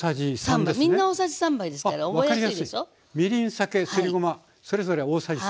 酒すりごまそれぞれ大さじ３。